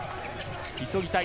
急ぎたい。